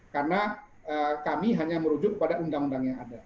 karena kami hanya merujuk kepada undang undang yang ada